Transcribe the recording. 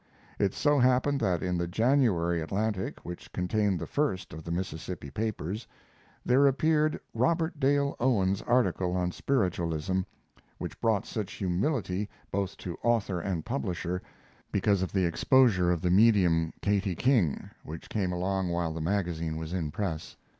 It so happened that in the January Atlantic, which contained the first of the Mississippi papers, there appeared Robert Dale Owen's article on "Spiritualism," which brought such humility both to author and publisher because of the exposure of the medium Katie King, which came along while the magazine was in press.